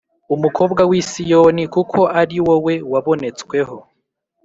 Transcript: umukobwa w i Siyoni kuko ari wowe wabonetsweho